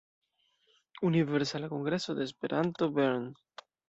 Universala Kongreso de Esperanto Bern“.